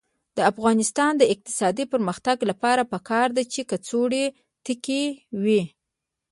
د افغانستان د اقتصادي پرمختګ لپاره پکار ده چې کڅوړې تکې وي.